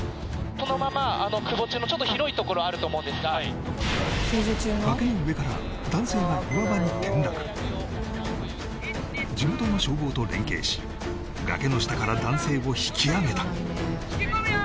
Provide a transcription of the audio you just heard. このままくぼ地のちょっと広いところあると思うんですが崖の上から男性が岩場に転落地元の消防と連携し崖の下から男性を引き上げた引き込むよ！